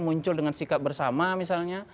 muncul dengan sikap bersama misalnya